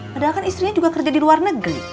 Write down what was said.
padahal kan istrinya juga kerja di luar negeri